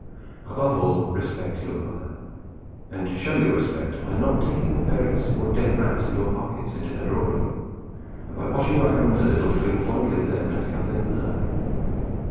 Above all, respect your mother, and show your respect by not taking ferrets or dead rats in your pockets into her drawing room, and by washing your hands a little between fondling them and cuddling her.